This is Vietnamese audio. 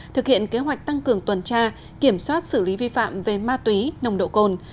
thực hiện kế hoạch tăng cường tuần tra kiểm soát xử lý vi phạm về ma túy nồng độ cồn